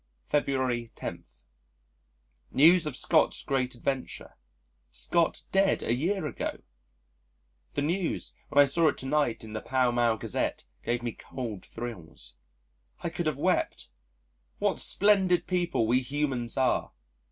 February 10. News of Scott's great adventure! Scott dead a year ago!! The news, when I saw it to night in the Pall Mall Gazette gave me cold thrills. I could have wept.... What splendid people we humans are!